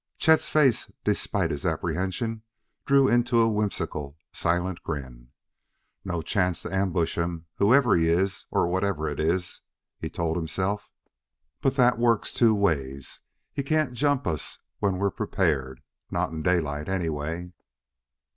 Chet's face, despite his apprehension, drew into a whimsical, silent grin. "No chance to ambush him, whoever he is or whatever it is," he told himself. "But that works two ways: he can't jump us when we're prepared; not in daylight, anyway."